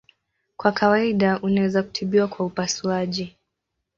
Kwa kawaida unaweza kutibiwa kwa upasuaji.